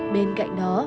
bên cạnh đó